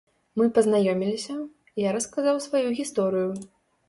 Мы пазнаёміліся, я расказаў сваю гісторыю.